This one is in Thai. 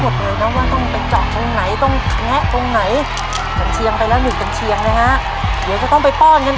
กันเชียงไปแล้วหนุ่มกันเชียงนะฮะเดี๋ยวจะต้องไปป้องอีกนะ